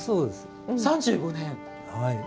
３５年！？